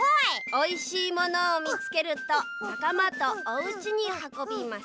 「おいしいものをみつけるとなかまとおうちにはこびます」。